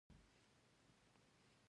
ما ته هم يو کتاب ډالۍ کړه